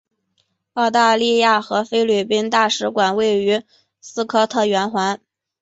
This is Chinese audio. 澳大利亚和菲律宾大使馆位于斯科特圆环。